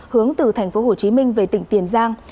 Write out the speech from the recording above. hướng từ tp hcm về tỉnh tiền giang